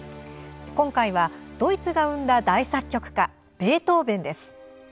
今回は、ドイツが生んだ大作曲家ベートーヴェンです。